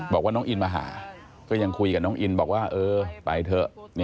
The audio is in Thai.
บอกว่าน้องอินมาหาก็ยังคุยกับน้องอินบอกว่าเออไปเถอะ